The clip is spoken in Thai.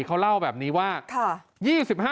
เขาเล่าแบบนี้ว่า